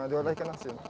diorah ikan asin